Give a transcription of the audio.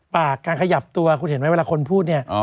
ปากการขยับตัวคุณเห็นไหมเวลาคนพูดเนี่ย